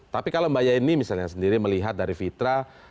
tapi kalau mbak yeni misalnya sendiri melihat dari fitra